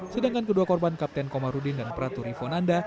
sedangkan kedua korban kapten komarudin dan praturi fonanda